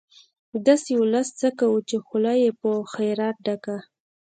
داسې ولس څه کوو، چې خوله يې په خيرات ډکه